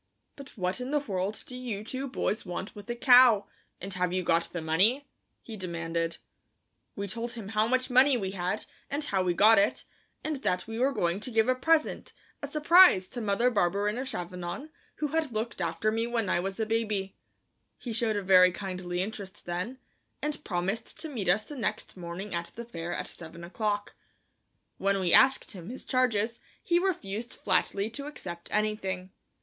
"But what in the world do you two boys want with a cow, and have you got the money?" he demanded. We told him how much money we had, and how we got it, and that we were going to give a present, a surprise, to Mother Barberin of Chavanon, who had looked after me when I was a baby. He showed a very kindly interest then, and promised to meet us the next morning at the fair at seven o'clock. When we asked him his charges he refused flatly to accept anything.